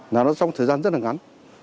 là nó trong thời gian rất là ngắn